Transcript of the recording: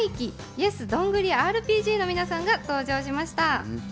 ＹｅｓどんぐりＲＰＧの皆さんが登場しました。